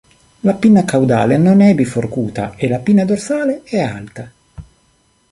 La pinna caudale non è biforcuta, e la pinna dorsale è alta.